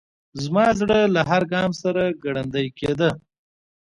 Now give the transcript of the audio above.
زما زړه له هر ګام سره ګړندی کېده.